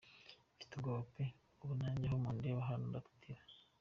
Mfite ubwoba pe, ubu nanjye aho mundeba hano ndatitira.